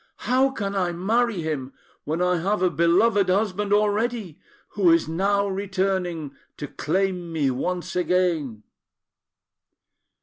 How can I marry him, when I have a beloved husband already, who is now returning to claim me once again?"